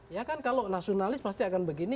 ya kan kalau nasionalis pasti akan begini